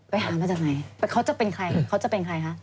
ไปหามาจากไหนเขาจะเป็นใครเขาจะเป็นใครคะ